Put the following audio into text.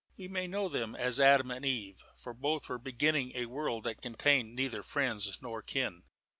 We may know them as Adam and Eve, for both were beginning a world that contained neither friends nor kin.